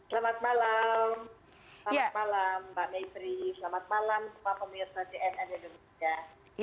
selamat malam pak mayfri selamat malam pak pemirsa dpr indonesia